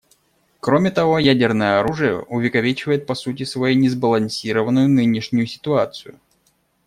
Кроме того, ядерное оружие увековечивает по сути своей несбалансированную нынешнюю ситуацию.